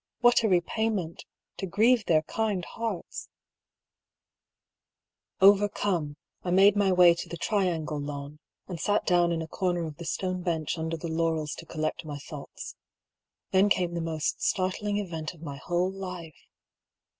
What a repayment — to grieve their kind hearts ! Overcome, I made my way to the triangle lawn, and sat down in a comer of the stone bench under the laurels to collect my thoughts. Then came the most startling event of my whole life.